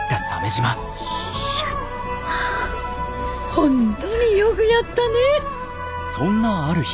本当によくやったね。